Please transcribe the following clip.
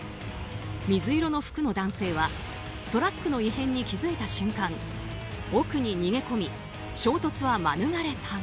水色の服の男性はトラックの異変に気付いた瞬間奥に逃げ込み、衝突は免れたが。